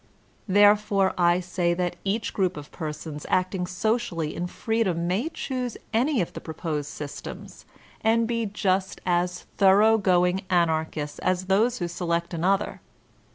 Therefore I say that each group of persons acting socially in freedom may choose any of the proposed sjrstems, and be just as thorough going Anarchists as those who select another.